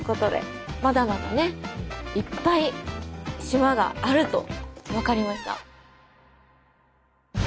まだまだねいっぱい島があると分かりました。